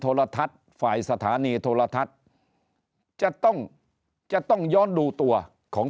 โทรทัศน์ฝ่ายสถานีโทรทัศน์จะต้องจะต้องย้อนดูตัวของ